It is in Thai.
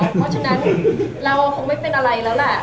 เพราะฉะนั้นเราคงไม่เป็นอะไรแล้วแหละ